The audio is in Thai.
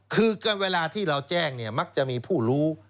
คือเวลาที่เราแจ้งเนี่ยมักจะมีผู้รู้